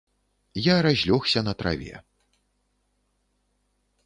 Я разлёгся на траве.